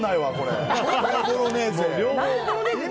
何でボロネーゼ。